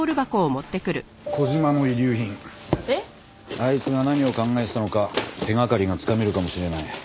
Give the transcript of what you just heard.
あいつが何を考えてたのか手掛かりがつかめるかもしれない。